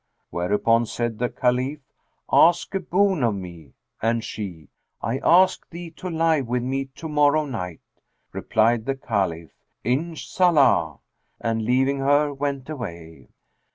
Whereupon said the Caliph, "Ask a boon of me," and she, "I ask thee to lie with me to morrow night." Replied the Caliph, "Inshallah!" and leaving her, went away.